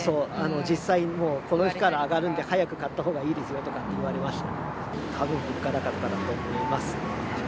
実際、この日から上がるんで、早く買ったほうがいいですよとか言われました。